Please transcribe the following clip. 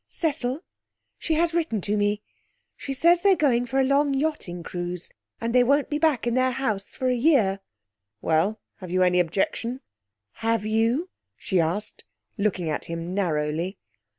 'Cecil, she has written to me. She says they're going for a long yachting cruise, that they won't be back in their house for a year.' 'Well, have you any objection?' 'Have you?' she asked, looking at him narrowly.